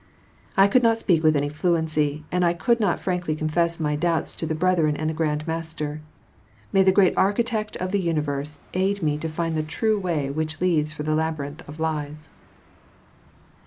I could not speak with any fluency, and I could not frankly confess my doubts to the brethren and the Grand Master. May the Great Architect of the Universe aid me to find the true way which lc«ds from the labyrinth of lies!